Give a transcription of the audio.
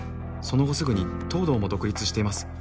その後すぐに東堂も独立しています